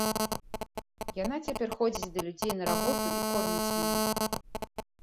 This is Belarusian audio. Яна цяпер ходзіць да людзей на работу і корміць мяне.